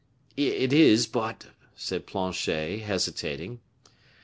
"It is but " said Planchet, hesitating.